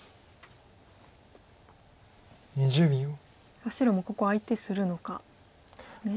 さあ白もここは相手するのかですね。